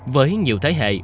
với nhiều thế hệ